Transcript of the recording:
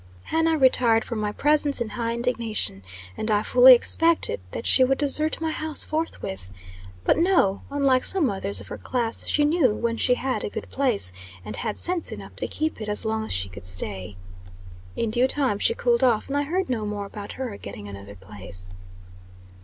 Hannah retired from my presence in high indignation, and I fully expected that she would desert my house forthwith. But, no; unlike some others of her class, she knew when she had a good place, and had sense enough to keep it as long as she could stay. In due time she cooled off, and I heard no more about her getting another place.